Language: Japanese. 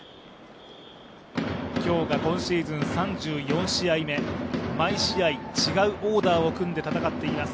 今日が今シーズン３４試合目、毎試合違うオーダーを組んで戦っています。